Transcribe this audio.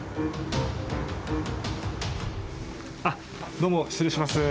どうも失礼します。